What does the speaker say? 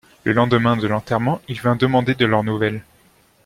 Le lendemain de l’enterrement, il vint demander de leurs nouvelles.